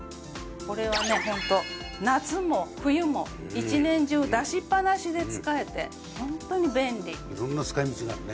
これはねホント夏も冬も１年中出しっぱなしで使えてホントに便利。